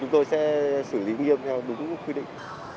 chúng tôi sẽ xử lý nghiêm theo đúng quy định